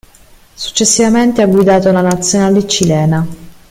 Successivamente ha guidato la Nazionale cilena.